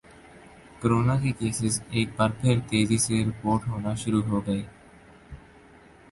corona کے cases ایک بار پھر تیزی سے رپورٹ ہونا شروع ہوگئے